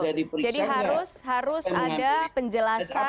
jadi harus ada penjelasan